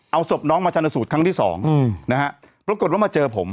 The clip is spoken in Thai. เอาศพน้องมาชนสูตรครั้งที่สองนะฮะปรากฏว่ามาเจอผม